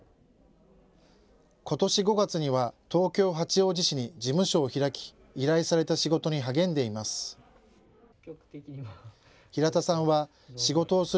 ことし５月には東京・八王子市に事務所を開き依頼された仕事に励んでいます。